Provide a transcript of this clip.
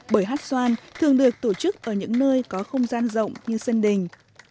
bởi hát xoan thường được tổ chức ở những nơi có không gian rộng như sân đình